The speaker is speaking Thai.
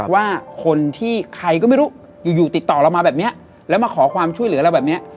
ว่าคนที่ใครก็ไม่รู้อยู่อยู่ติดต่อเรามาแบบนี้แล้วมาขอความช่วยเหลือเราแบบเนี้ย